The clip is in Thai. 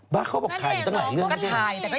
บ้างเขาบอกถ่ายอยู่ตรงไหน